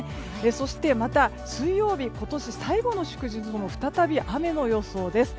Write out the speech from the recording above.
そしてまた、水曜日今年最後の祝日も再び雨の予想です。